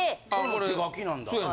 手書きなんだ。